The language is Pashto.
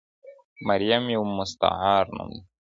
مریم یو مستعار نوم دی.